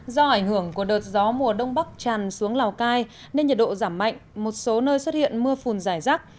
do ảnh hưởng của đợt gió mùa đông bắc tràn xuống lào cai nên nhiệt độ giảm mạnh một số nơi xuất hiện mưa phùn dài rác